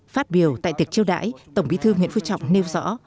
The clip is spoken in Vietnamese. phát biểu tại tiệc chiêu đãi tổng bí thư nguyễn phú trọng nêu rõ